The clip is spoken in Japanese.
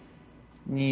２。